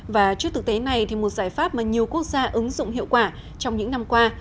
và trước thực tế này thì một giải pháp mà nhiều quốc gia ứng dụng hiệu quả trong những năm qua